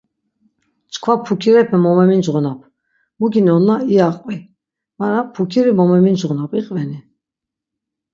Çkva pukirepe mo memincğonap, mu ginonna iya qvi mara pukiri mo memincğonap iqveni?